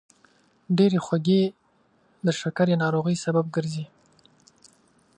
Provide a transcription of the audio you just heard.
ډېرې خوږې د شکرې ناروغۍ سبب ګرځي.